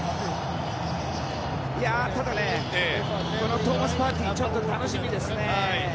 ただ、このトーマス・パーテイちょっと楽しみですね。